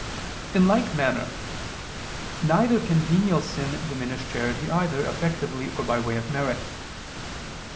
In like manner, neither can venial sin diminish charity either effectively or by way of merit.